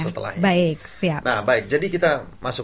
nah baik jadi kita masuk